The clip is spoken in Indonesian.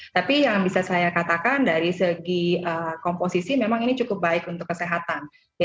tapi yang bisa saya katakan dari segi komposisi memang ini cukup baik untuk kesehatan